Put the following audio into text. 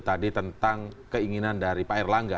tadi tentang keinginan dari pak erlangga